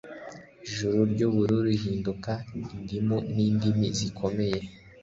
Ijuru ryubururu rihinduka indimu nindimi zikomeye